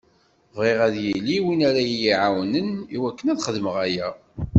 Bɣiɣ ad yili win ara yi-iɛawnen i wakken ad xedmeɣ aya.